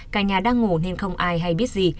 cả nhà đang ngủ nên không ai hay biết gì